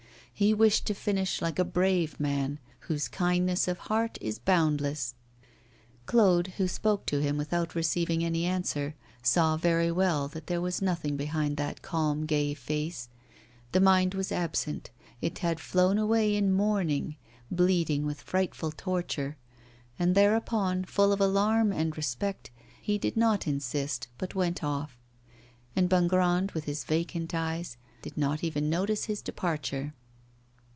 He wished to finish like a brave man, whose kindness of heart is boundless. Claude, who spoke to him without receiving any answer, saw very well that there was nothing behind that calm, gay face; the mind was absent, it had flown away in mourning, bleeding with frightful torture; and thereupon, full of alarm and respect, he did not insist, but went off. And Bongrand, with his vacant eyes, did not even notice his departure.